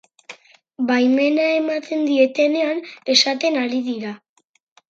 Baimena ematen dietenean esaten ari dira.